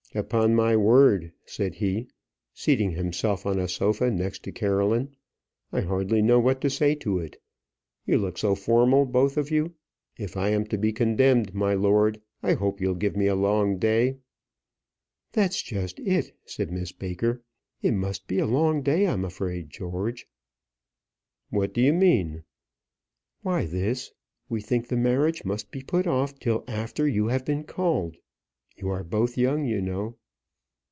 "Upon my word," said he, seating himself on a sofa next to Caroline; "I hardly know what to say to it. You look so formal both of you. If I am to be condemned, my lord, I hope you'll give me a long day." "That's just it," said Miss Baker; "it must be a long day, I'm afraid, George." "What do you mean?" "Why this; we think the marriage must be put off till after you have been called. You are both young, you know."